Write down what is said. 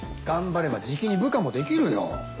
頑張ればじきに部下もできるよ。